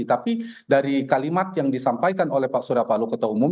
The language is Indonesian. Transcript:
tapi dari kalimat yang disampaikan oleh pak surya palo ketua umum